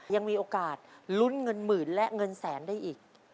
ยังมีโอกาสลุ้นเงินหมื่นและเงินแสนได้อีก